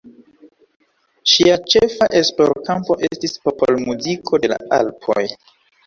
Ŝia ĉefa esplorkampo estis popolmuziko de la Alpoj.